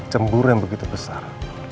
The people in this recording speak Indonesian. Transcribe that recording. cemburu yang begitu besar